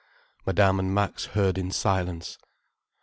Madame and Max heard in silence.